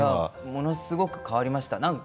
ものすごく変わりました。